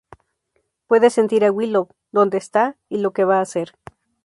Puede sentir a Willow, dónde está y lo que va a hacer.